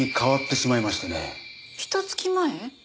ひと月前？